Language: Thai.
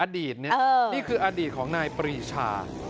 อดีตนี่คืออดีตของนายปรีชา